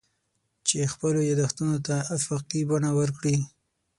چې خپلو یادښتونو ته افاقي بڼه ورکړي.